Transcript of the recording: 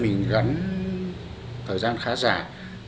mình gắn thời gian khá dài